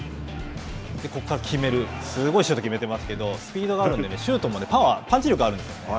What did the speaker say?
ここからすごいシュートを決めてますけどスピードがあるのでシュート、パンチ力があるんです。